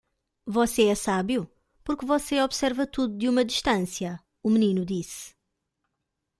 "Você é sábio? porque você observa tudo de uma distância?" o menino disse.